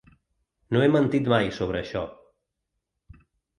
No he mentit mai sobre això.